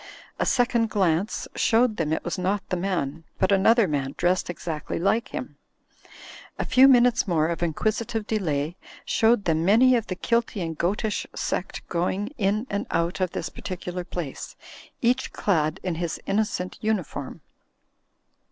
A second glance showed them it was not the man, but another man dressed exactly like him. A few minutes more of inquisitive delay, showed them many of the kilty and goatish sect going in and I THE REPUBLIC OF PEACEWAYS 227 out of this particular place, each clad in his innocent uniform.